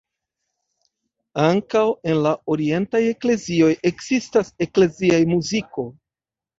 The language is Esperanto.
Ankaŭ en la orientaj eklezioj ekzistas eklezia muziko.